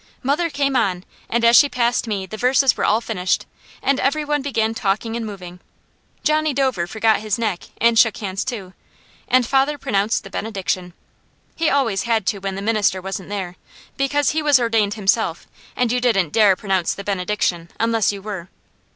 Mother came on, and as she passed me the verses were all finished and every one began talking and moving. Johnny Dover forgot his neck and shook hands too, and father pronounced the benediction. He always had to when the minister wasn't there, because he was ordained himself, and you didn't dare pronounce the benediction unless you were.